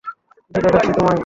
কিছু দেখাচ্ছি তোমায়।